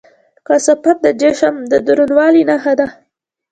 کثافت د جسم د دروندوالي نښه ده.